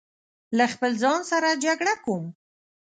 له خپل ځان سره جګړه کوم